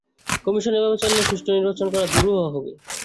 Commission এভাবে চললে সুষ্ঠু নির্বাচন করা দুরূহ হবে।